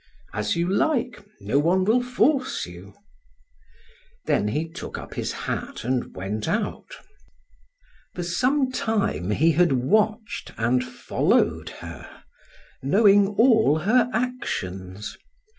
"As you like. No one will force you." Then he took up his hat and went out. For some time he had watched and followed her, knowing all her actions.